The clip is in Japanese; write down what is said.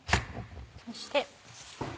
そして。